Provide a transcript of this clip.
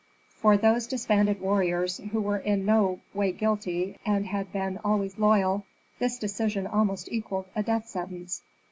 For those disbanded warriors, who were in no way guilty and had been always loyal, this decision almost equalled a death sentence.